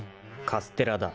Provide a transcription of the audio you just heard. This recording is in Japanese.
［カステラだ。